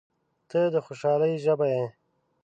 • ته د خوشحالۍ ژبه یې.